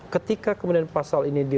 ketika kemudian pasal ini